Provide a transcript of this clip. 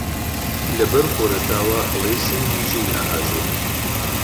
لەبەر خۆرەتاوا ئەڵێی سینگی ژینە ئەهاژێ